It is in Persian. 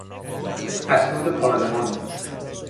اسناد پارلمان